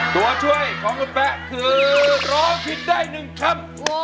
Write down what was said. ตัวช่วยของคุณแป๊ะคือร้องผิดได้๑คำ